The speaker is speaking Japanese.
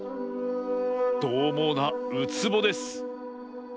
どうもうなウツボです。